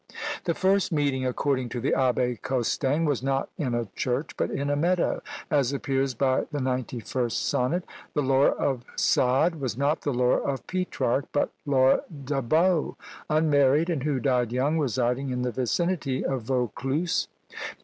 The first meeting, according to the Abbé Costaing, was not in a church, but in a meadow as appears by the ninety first sonnet. The Laura of Sade was not the Laura of Petrarch, but Laura de Baux, unmarried, and who died young, residing in the vicinity of Vaucluse.